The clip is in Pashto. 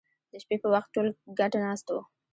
د شپې په وخت ټول ګډ ناست وو